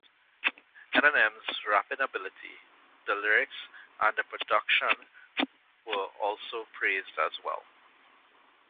Eminem's rapping ability, the lyrics and the production were also praised as well.